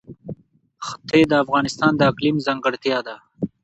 ښتې د افغانستان د اقلیم ځانګړتیا ده.